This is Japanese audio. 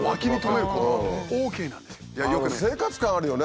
生活感あるよね